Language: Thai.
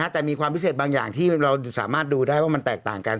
แต่มีความพิเศษบางอย่างที่เราสามารถดูได้ว่ามันแตกต่างกัน